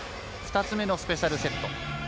２つ目のスペシャルセット。